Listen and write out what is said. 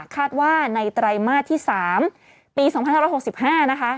คาดว่าในไตรมาสที่๓ปี๒๕๖๕นะคะ